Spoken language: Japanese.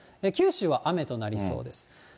九州は雨となりそうです。